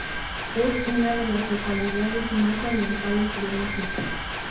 Es una de las localidades más orientales de la isla.